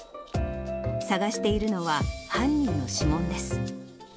探しているのは、犯人の指紋です。